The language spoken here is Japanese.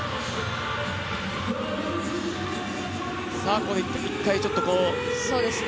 ここで一回、ちょっとこう。